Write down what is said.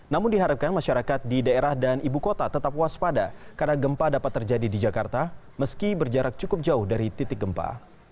namun diharapkan masyarakat di daerah dan ibu kota tetap waspada karena gempa dapat terjadi di jakarta meski berjarak cukup jauh dari titik gempa